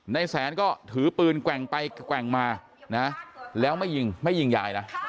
ในแสนก็ถือปืนแกว่งไปแกว่งมานะแล้วไม่ยิงไม่ยิงยายนะ